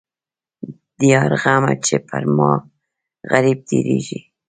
د یار غمه چې پر ما غريب تېرېږي.